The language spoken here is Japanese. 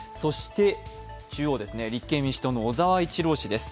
中央ですね、立憲民主党の小沢一郎氏です。